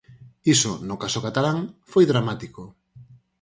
Iso, no caso catalán, foi dramático.